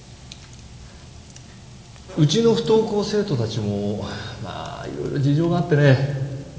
うちの不登校生徒たちもまあいろいろ事情があってね